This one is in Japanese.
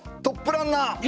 トップランナー！